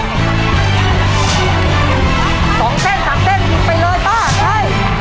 มันก็เลยพันไปได้หมดด้วย